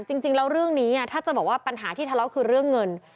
จริงแล้วเรื่องนี้ถ้าจะบอกว่าปัญหาที่ทะเลาะคือเรื่องเงิน